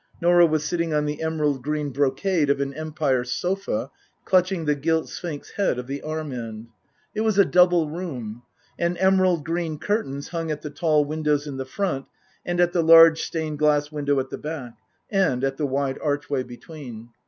Norah was sitting on the emerald green brocade of an Empire sofa, clutching the gilt sphinx head of the arm end. It was a double room, and emerald green curtains hung at the tall windows in the front and at the large stained glass window at the back, and at the wide archway between.